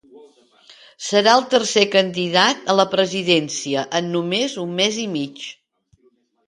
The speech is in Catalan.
Serà el tercer candidat a la presidència en només un mes i mig.